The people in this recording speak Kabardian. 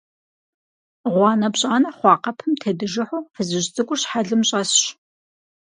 ГъуанэпщӀанэ хъуа къэпым тедыжыхьу фызыжь цӀыкӀур щхьэлым щӀэсщ.